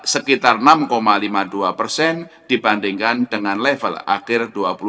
sekitar enam lima puluh dua dibandingkan dengan level akhir dua ribu sembilan belas